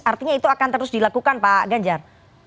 artinya itu akan terus dilakukan pak ganjar